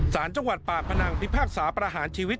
สารจังหวัดป่าปนังที่พรากษาพระหารชีวิต